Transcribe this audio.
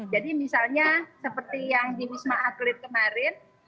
jadi misalnya seperti yang di wisma akhlit kemarin